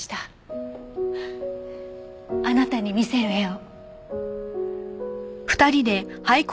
あなたに見せる絵を。